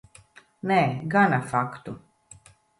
Nē, gana faktu.